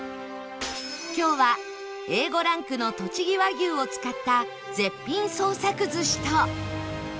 今日は Ａ５ ランクのとちぎ和牛を使った絶品創作寿司と